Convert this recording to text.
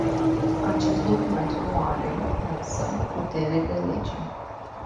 Acest document nu are, însă, putere de lege.